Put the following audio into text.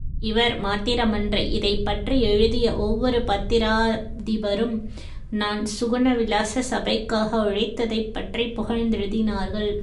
இவர் மாத்திரமன்று இதைப் பற்றி எழுதிய ஒவ்வொரு பத்திராதிபரும் நான் சுகுண விலாச சபைக்காக உழைத்ததைப்பற்றிப் புகழ்ந்தெழுதினார்கள்.